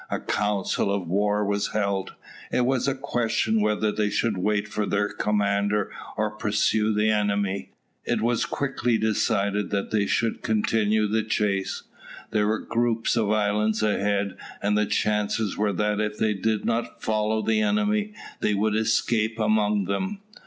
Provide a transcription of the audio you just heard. A council of war was held. It was a question whether they should wait for their commander or pursue the enemy. It was quickly decided that they should continue the chase. There were groups of islands ahead, and the chances were that if they did not follow the enemy they would escape among them.